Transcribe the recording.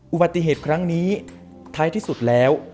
อุบัติเหตุครั้งนี้ท้ายที่สุดแล้ว